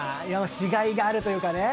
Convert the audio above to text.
しがいがあるというかね。